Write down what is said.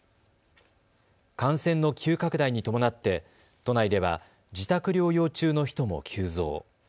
感染の急拡大に伴って都内では自宅療養中の人も急増。